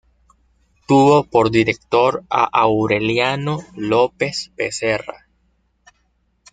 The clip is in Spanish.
Tuvo por director a Aureliano López Becerra.